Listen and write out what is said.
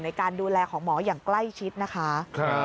ในการดูแลของหมออย่างใกล้ชิดนะคะ